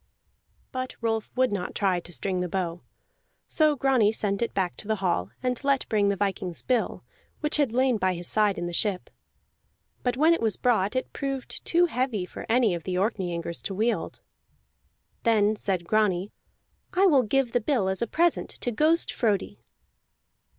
But Rolf would not try to string the bow. So Grani sent it back to the hall, and let bring the viking's bill, which had lain by his side in the ship. But when it was brought, it proved too heavy for any of the Orkneyingers to wield. Then said Grani: "I will give the bill as a present to Ghost Frodi."